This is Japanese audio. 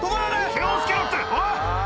気を付けろっておい！